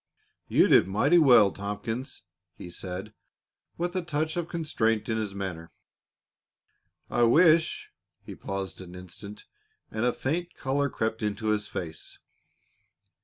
"You did mighty well, Tompkins," he said, with a touch of constraint in his manner. "I wish " He paused an instant, and a faint color crept into his face.